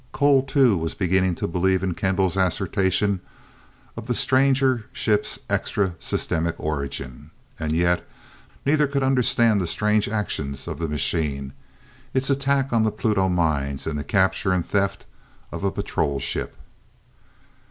Cole, too, was beginning to believe in Kendall's assertion of the stranger ship's extra systemic origin. As yet neither could understand the strange actions of the machine, its attack on the Pluto mines, and the capture and theft of a patrol ship.